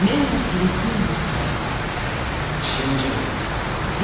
あとは信じるのみ。